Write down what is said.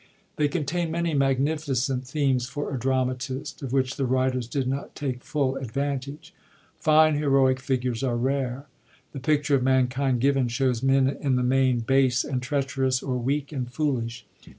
They contain many magnificent themes for a dramatist, of which the writers did not take full advantage. Fine, heroic figures are rare. The picture of mankind given shows men in the main base and treacherous, or weak and foolish.